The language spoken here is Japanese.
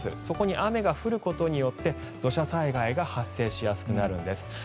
そこに雨が降ることによって土砂災害が発生しやすくなるんです。